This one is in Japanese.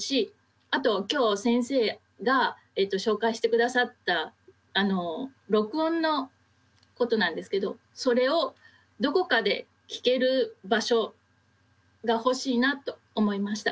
あと今日先生が紹介して下さった録音のことなんですけどそれをどこかで聞ける場所が欲しいなと思いました。